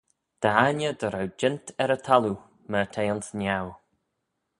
Dt'aigney dy row jeant er y thalloo, myr t'eh ayns niau.